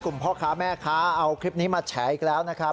พ่อค้าแม่ค้าเอาคลิปนี้มาแฉอีกแล้วนะครับ